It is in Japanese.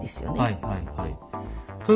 はいはいはい。